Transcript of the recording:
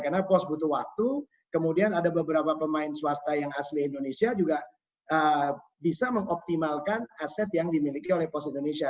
karena pos butuh waktu kemudian ada beberapa pemain swasta yang asli indonesia juga bisa mengoptimalkan aset yang dimiliki oleh pos indonesia